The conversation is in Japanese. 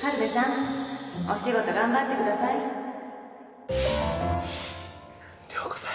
軽部さんお仕事頑張ってください遼子さん。